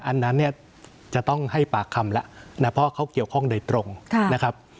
อันนั้นเนี่ยจะต้องให้ปากคำแล้วนะเพราะเขาเกี่ยวข้องโดยตรงนะครับ